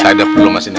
saya dapet lo mas inela